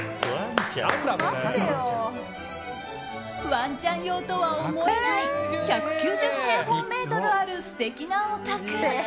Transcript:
ワンちゃん用とは思えない１９０平方メートルある素敵なお宅。